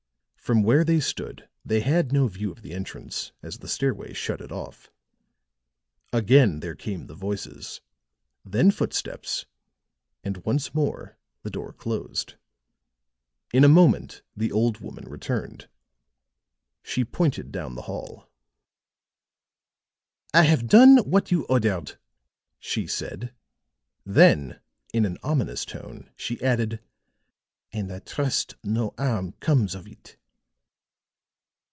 From where they stood they had no view of the entrance, as the stairway shut it off. Again there came the voices, then footsteps and once more the door closed. In a moment the old woman returned. She pointed down the hall. "I have done what you ordered," she said. Then in an ominous tone she added: "And I trust no harm comes of it."